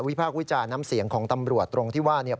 พากษ์วิจารณ์น้ำเสียงของตำรวจตรงที่ว่าเนี่ย